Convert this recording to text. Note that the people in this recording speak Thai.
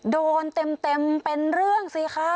โดนเต็มเป็นเรื่องสิคะ